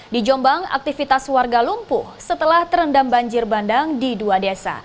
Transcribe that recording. di jombang aktivitas warga lumpuh setelah terendam banjir bandang di dua desa